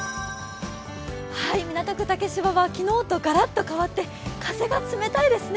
港区竹芝は昨日とがらっと変わって風が冷たいですね。